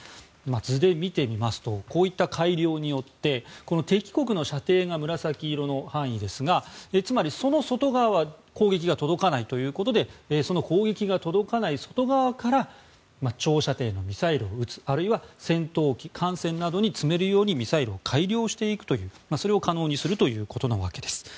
図で見てみますとこういった改良によって敵国の射程が紫色の範囲ですがつまり、その外側は攻撃が届かないということでその攻撃が届かない外側から長射程のミサイルを撃つあるいは戦闘機艦船などに積めるようにミサイルを改良していくというそれを可能にするということなわけです。